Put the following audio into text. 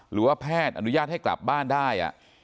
หรือว่าแพทย์อนุญาตให้กลับบ้านได้